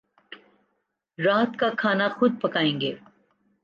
رات کا کھانا خود پکائیں گے